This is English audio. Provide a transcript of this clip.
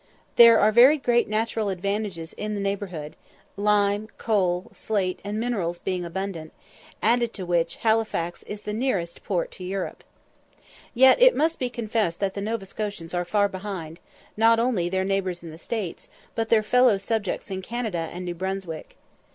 There are very great natural advantages in the neighbourhood, lime, coal, slate, and minerals being abundant, added to which Halifax is the nearest port to Europe. Yet it must be confessed that the Nova Scotians are far behind, not only their neighbours in the States, but their fellow subjects in Canada and New Brunswick.